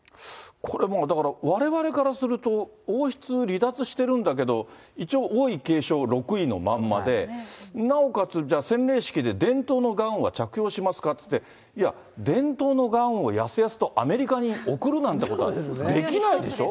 これもう、だから、われわれからすると、王室離脱してるんだけど、一応、王位継承６位のまんまで、なおかつじゃあ、洗礼式で伝統のガウンは着用しますかって、いや、伝統のガウンをやすやすとアメリカに贈るなんてことはできないでしょ。